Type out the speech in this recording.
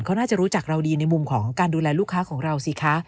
เขาน่าจะรู้จักเราดีในมุมของการดูแลลูกค้าของเราสิคะ